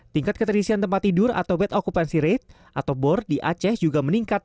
tingkat keterisian tempat tidur atau bed occupancy rate atau bor di aceh juga meningkat